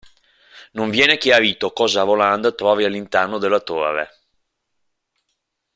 Non viene chiarito cosa Roland trovi all'interno della Torre.